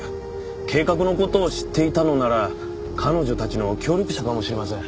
計画の事を知っていたのなら彼女たちの協力者かもしれません。